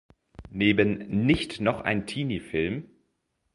Neben "Nicht noch ein Teenie-Film!